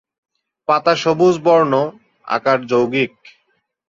পাতা সবুজ বর্ণ, আকার যৌগিক।